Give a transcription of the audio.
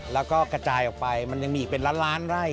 แล้วก็กระจายออกไปมันยังมีอีกเป็นล้านล้านไร่